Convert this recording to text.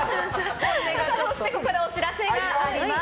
ここでお知らせがあります。